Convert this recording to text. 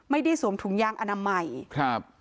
ไม่ได้สวมถุงยางอนามัย